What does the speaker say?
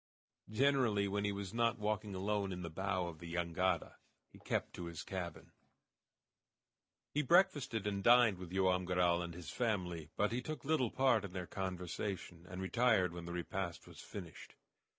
Generally, when he was not walking alone in the bow of the jangada, he kept to his cabin. He breakfasted and dined with Joam Garral and his family, but he took little part in their conversation, and retired when the repast was finished.